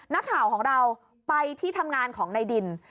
นักข่าวของเราไปที่ทำงานของในดิน